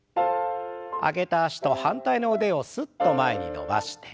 上げた脚と反対の腕をすっと前に伸ばして。